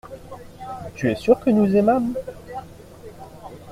Tu es sûr que nous aimâmes.